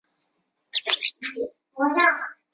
曾任浙江省第八师范学校舍监和国文教师。